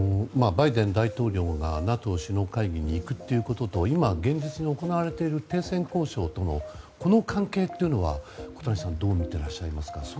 バイデン大統領がＮＡＴＯ首脳会議に行くということと今、現実に行われている停戦交渉とのこの関係というのは、小谷さんどう見ていらっしゃいますか？